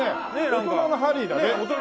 大人のハリーだね。